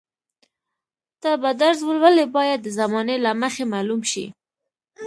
ته به درس ولولې باید د زمانې له مخې معلوم شي.